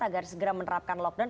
agar segera menerapkan lockdown